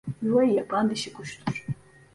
Yuvayı yapan dişi kuştur.